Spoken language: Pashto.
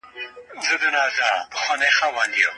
که وینه مناسب نه وي، ناروغان به ستونزې ولري.